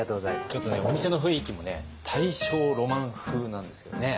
ちょっとねお店の雰囲気もね大正ロマン風なんですけどね。